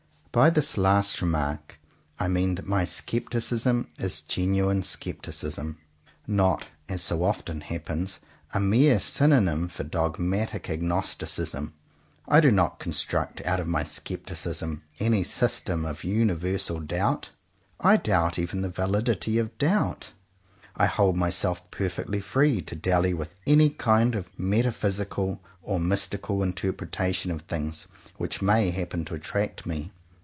By this last remark I mean that my scepticism is genuine scepticism; not, as so often happens, a mere synonym for dogmatic agnosticism. I do not construct out of my scepticism any system of universal doubt. I doubt even the validity of doubt. I hold myself perfectly free to dally with any kind of metaphysical or mystical in terpretation of things which may happen to attract me.